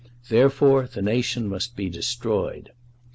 Therefore the nation must be destroyed.